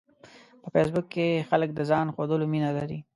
په فېسبوک کې خلک د ځان ښودلو مینه لري